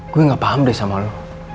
gue gak paham deh sama lo